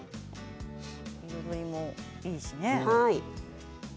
彩りもいいしね。